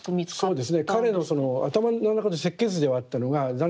そうですね。